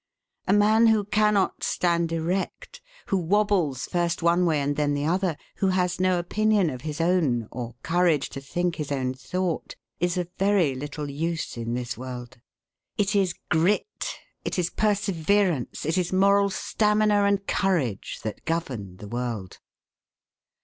A man who cannot stand erect, who wabbles first one way and then the other, who has no opinion of his own, or courage to think his own thought, is of very little use in this world. It is grit, it is perseverance, it is moral stamina and courage that govern the world.